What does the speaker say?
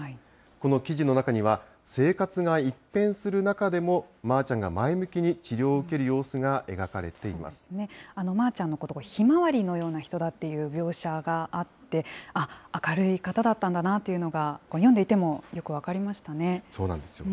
この記事の中には、生活が一変する中でも、まーちゃんが前向きに治療を受ける様子がまーちゃんのこと、ひまわりのような人だっていう描写があって、あっ、明るい方だったんだなというのが、読んでいてもよく分かりましたね。